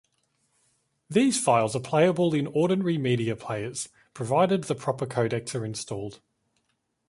These files are playable in ordinary media players, provided the proper codecs are installed.